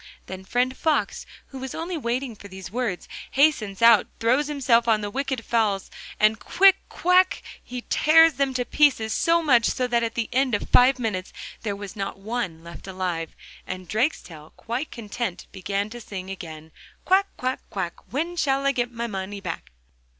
Then friend Fox, who was only waiting for these words, hastens out, throws himself on the wicked fowls, and quick! quack! he tears them to pieces; so much so that at the end of five minutes there was not one left alive. And Drakestail, quite content, began to sing again, 'Quack, quack, quack, when shall I get my money back?